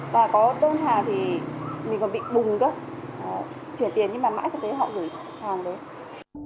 và có đơn hàng thì mình còn bị bùng cơ chuyển tiền nhưng mà mãi không thấy họ gửi hàng đấy